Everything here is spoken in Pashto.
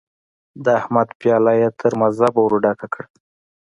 د احمد پياله يې تر مذبه ور ډکه کړه.